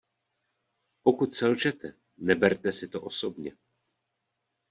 Pokud selžete, neberte si to osobně.